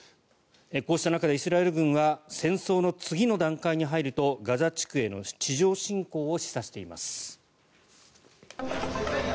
こうした中でイスラエル軍は戦争の次の段階に入るとガザ地区への地上侵攻を示唆しています。